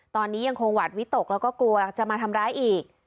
ตอนนี้ยังคงหวัดวิตกแล้วก็กลัวจะมาทำร้ายอีก